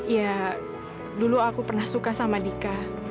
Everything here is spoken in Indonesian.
ya dulu aku pernah suka sama dika